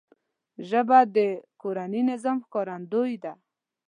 ژبه د کورني نظم ښکارندوی ده